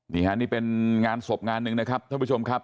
นี่ฮะนี่เป็นงานศพงานหนึ่งนะครับท่านผู้ชมครับ